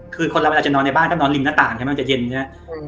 คือคนละเวลาจะนอนในบ้านต้องนอนริงหน้าต่างจะเย็นอย่างนี้